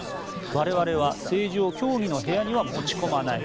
我々は政治を協議の部屋には持ち込まない。